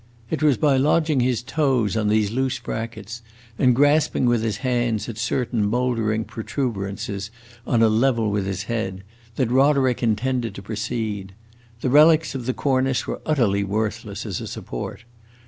It was by lodging his toes on these loose brackets and grasping with his hands at certain mouldering protuberances on a level with his head, that Roderick intended to proceed. The relics of the cornice were utterly worthless as a support.